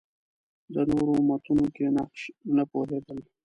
د نورو امتونو کې نقش نه پوهېدل